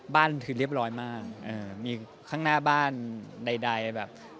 บ้านคือเรียบร้อยมากมีข้างหน้าบ้านใดแบบ